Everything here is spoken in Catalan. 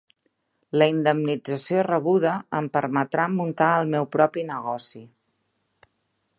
La indemnització rebuda em permetrà muntar el meu propi negoci.